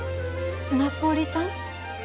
ナポリタン？